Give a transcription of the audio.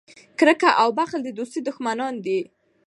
کرکه او بخل د دوستۍ دشمنان دي.